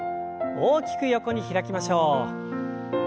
大きく横に開きましょう。